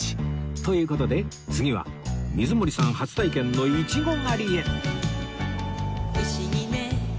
という事で次は水森さん初体験のイチゴ狩りへ